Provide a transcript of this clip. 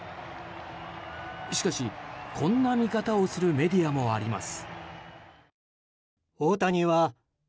しかし、こんな見方をするメディアもあります。